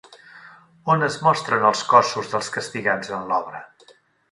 On es mostren els cossos dels castigats en l'obra?